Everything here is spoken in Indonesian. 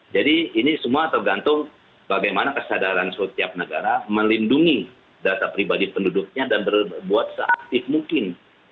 jadi ini semua tergantung bagaimana kesadaran seluruh tiap negara melindungi data pribadi penduduknya dan berbuat seaktif mungkin